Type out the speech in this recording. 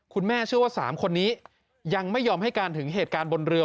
เชื่อว่า๓คนนี้ยังไม่ยอมให้การถึงเหตุการณ์บนเรือ